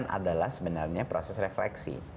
adalah sebenarnya proses refleksi